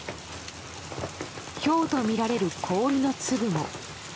ひょうとみられる氷の粒も。